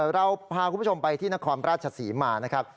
เราพาคุณผู้ชมไปที่นครราชศรีมานะครับ